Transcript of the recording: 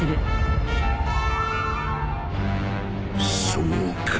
そうか